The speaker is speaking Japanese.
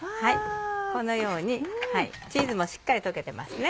このようにチーズもしっかり溶けてますね。